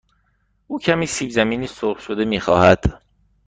او کمی سیب زمینی سرخ شده می خواهد.